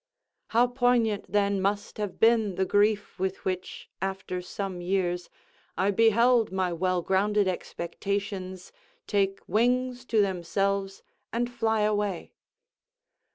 How poignant, then, must have been the grief with which, after some years, I beheld my well grounded expectations take wings to themselves and fly away!